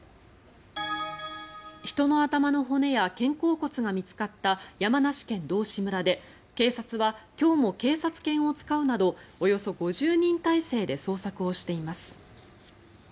人の頭の骨や肩甲骨が見つかった山梨県道志村で警察は今日も警察犬を使うなどおよそ５０人態勢で捜索をしています。